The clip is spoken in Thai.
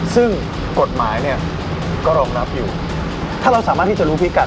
แต่พวกมันก็ไหวตัวทักทุกทีน่ะ